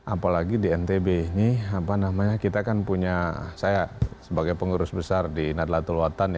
apalagi di ntb ini kita kan punya saya sebagai pengurus besar di nadlatul watan